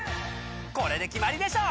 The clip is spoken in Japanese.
これで決まりでしょ！